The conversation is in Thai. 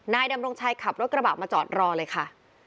ดำรงชัยขับรถกระบะมาจอดรอเลยค่ะ